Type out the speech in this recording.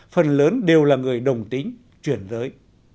phần lớn đều là người đồng tính chuyển giới